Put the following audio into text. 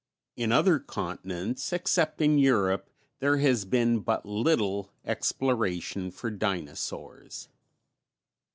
In other continents, except in Europe, there has been but little exploration for dinosaurs.